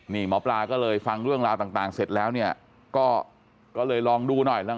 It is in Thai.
นี่หมอปลาก็เลยฟังเรื่องราวต่างเสร็จแล้วเนี่ยก็เลยลองดูหน่อย